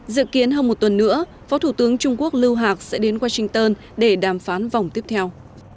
dự kiến hơn một tuần nữa phó thủ tướng trung quốc lưu hạc sẽ đến washington để đàm phán vòng tiếp theo